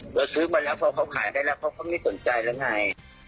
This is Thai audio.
เราซื้อมาแล้วเพราะเขาขายได้แล้วเขาก็ไม่สนใจแล้วไง